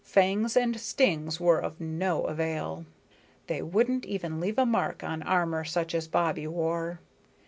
Fangs and stings were of no avail. They wouldn't even leave a mark on armor such as Bobbie wore.